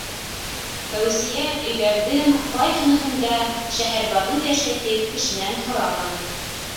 Фәүзиә өйҙәрҙең ҡайһыныһында Шәһәрбаныу йәшәй тип кешенән һораманы.